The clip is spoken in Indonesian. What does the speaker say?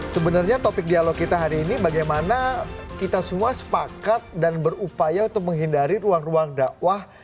sebenarnya topik dialog kita hari ini bagaimana kita semua sepakat dan berupaya untuk menghindari ruang ruang dakwah